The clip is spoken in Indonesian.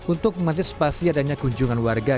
untuk mengantisipasi adanya kunjungan warga